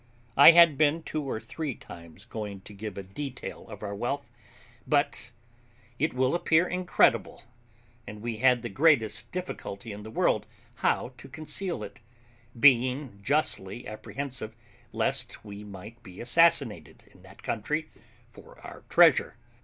I had been two or three times going to give a detail of our wealth, but it will appear incredible, and we had the greatest difficulty in the world how to conceal it, being justly apprehensive lest we might be assassinated in that country for our treasure.